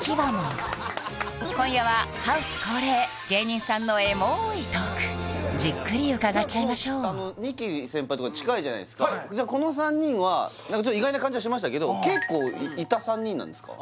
今夜はハウス恒例芸人さんのエモいトークじっくり伺っちゃいましょう２期先輩とか近いじゃないですかこの３人は意外な感じはしましたけど結構いた３人なんですか？